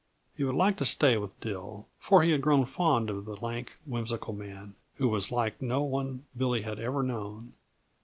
He would like to stay with Dill, for he had grown fond of the lank, whimsical man who was like no one Billy had ever known.